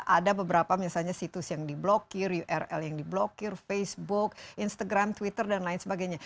ada beberapa misalnya situs yang di blokir url yang di blokir facebook instagram twitter dan lain sebagainya